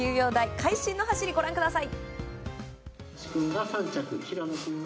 会心の走り、ご覧ください。